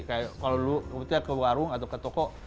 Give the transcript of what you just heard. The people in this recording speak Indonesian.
kalau lu ke warung atau ke toko